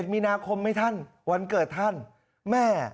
มีนาคมไหมท่านวันเกิดท่านแม่